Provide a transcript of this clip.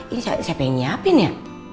ini siapa yang nyiapin ya